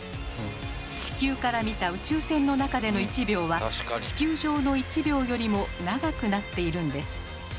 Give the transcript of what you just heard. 地球から見た宇宙船の中での１秒は地球上の１秒よりも長くなっているんです。